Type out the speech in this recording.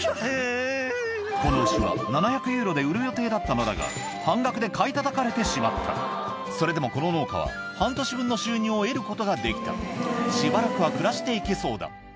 この牛は７００ユーロで売る予定だったのだが半額で買いたたかれてしまったそれでもこの農家は半年分の収入を得ることができたしばらくは暮らして行けそうだ